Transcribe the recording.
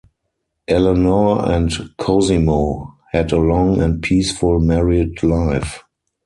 Eleanor and Cosimo had a long and peaceful married life.